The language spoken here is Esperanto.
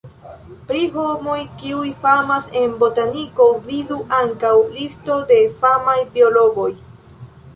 Pri homoj, kiuj famas en botaniko vidu ankaŭ: listo de famaj biologoj.